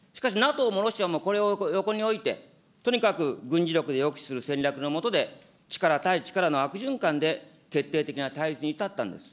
しかし、ＮＡＴＯもロシアもこれを横に置いて、とにかく軍事力で抑止する戦略の下で、力対力の悪循環で決定的に対立に至ったんです。